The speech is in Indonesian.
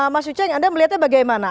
mas ucheng anda melihatnya bagaimana